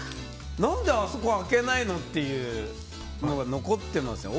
何であそこ開けないのというのが残ってますよ。